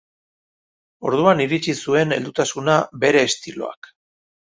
Orduan iritsi zuen heldutasuna bere estiloak.